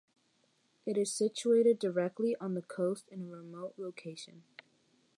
It is situated directly on the coast in a remote location.